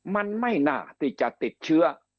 มันไม่น่าที่จะติดเชื้อ